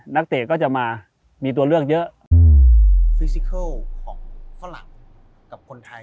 นักเตะก็จะมามีตัวเลือกเยอะ